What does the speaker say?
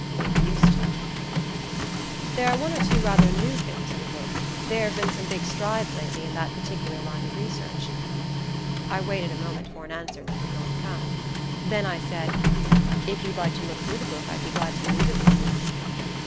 "It used to." "There are one or two rather new things in the book: there have been some big strides lately in that particular line of research." I waited a moment for an answer that did not come; then I said: "If you'd like to look the book through I'd be glad to leave it with you."